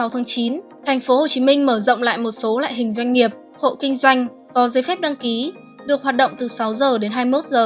hai mươi tháng chín tp hcm mở rộng lại một số loại hình doanh nghiệp hộ kinh doanh có giấy phép đăng ký được hoạt động từ sáu h đến hai mươi một h